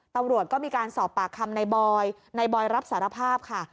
ตำรวจก็มีการสอบปากคำในบอยในบอยรับสารภาพค่ะ